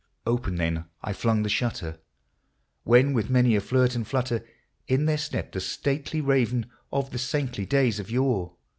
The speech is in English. Open then I flung the shutter, when, with many a flirt and flutter, 158 POEMS OF FAXCY. In there stepped a stately raven of the saintly days of yore.